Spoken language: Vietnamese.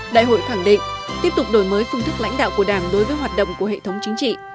đại hội khẳng định tiếp tục đổi mới phương thức lãnh đạo của đảng đối với hoạt động của hệ thống chính trị